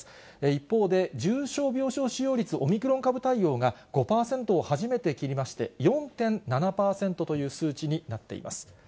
一方で、重症病床使用率、オミクロン株対応が５％を初めて切りまして、４．７％という数値になっています。